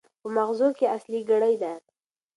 په ماغزو کې اصلي ګړۍ ده.